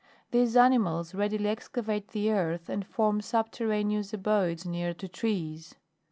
These animals readily excavate the earth, and form subterraneous abodes near to trees.